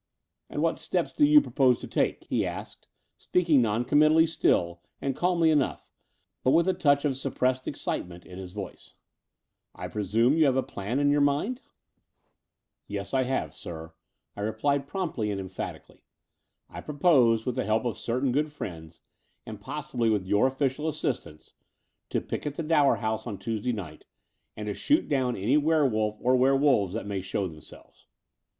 XVII "And what steps do you propose to take?" he asked, speaking non committally still and calmly enough, but with a touch of suppressed excitement in his voice. "I prestune that you have a plan in your mind?" tot The Door of the Unreal "Yes, I have, sir," I replied promptly and emphatically. I propose, with the help of cer tain good friends, and possibly with yotir ofiSdal as sistance, to picket the Dower House on Tuesday night and to shoot down any werewolf or were wolves that may show themselves."